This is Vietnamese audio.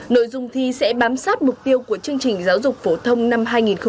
nội dung thi sẽ bám sát mục tiêu của chương trình giáo dục phổ thông năm hai nghìn một mươi chín